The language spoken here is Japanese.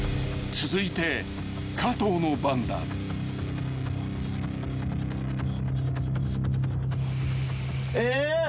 ［続いて加藤の番だ］えっ？